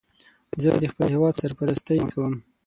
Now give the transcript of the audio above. زه د خپل هېواد سرپرستی کوم